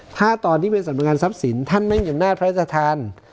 ถ้าตอนนี้เป็นสำนักงานทรัพย์ศิลป์ท่านไม่เก็บหน้าพระราชทาน